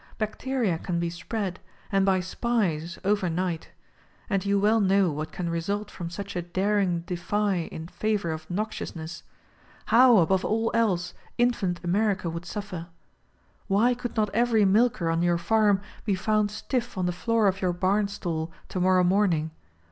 Bacteria can be spread, and by SPIES, over night. And you well know what can result from such a daring defy in favor of noxiousness ; how, above all else, infant America would suffer. Why could not every milker on your farm be found stiff on the floor of your barn stall, tomorrow morning?